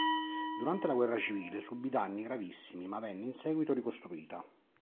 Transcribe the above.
Durante la guerra civile subì danni gravissimi ma venne in seguito ricostruita.